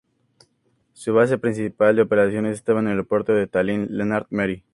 Su base principal de operaciones estaba en el Aeropuerto de Tallin Lennart Meri.